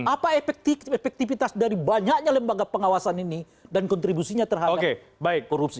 apa efektivitas dari banyaknya lembaga pengawasan ini dan kontribusinya terhadap korupsi